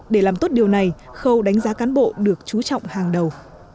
để làm tốt điều này khâu đánh giá cán bộ được chú trọng hàng đầu